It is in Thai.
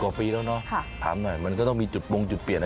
กว่าปีแล้วเนอะถามหน่อยมันก็ต้องมีจุดปงจุดเปลี่ยนนะ